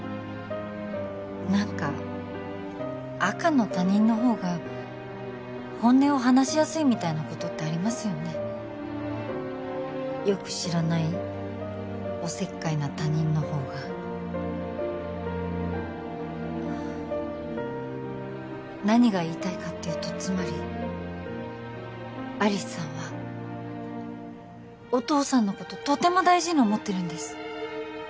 何か赤の他人のほうが本音を話しやすいみたいなことってありますよねよく知らないおせっかいな他人のほうがあっ何が言いたいかっていうとつまり有栖さんはお父さんのこととても大事に思ってるんです